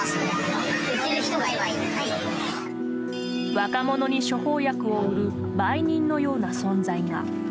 若者に処方薬を売る売人のような存在が。